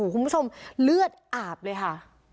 คุณผู้ชมเลือดอาบเลยค่ะ